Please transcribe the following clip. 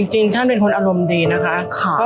จริงท่านเป็นคนอารมณ์ดีนะคะ